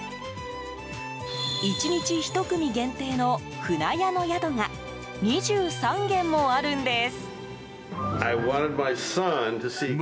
１日１組限定の舟屋の宿が２３軒もあるんです。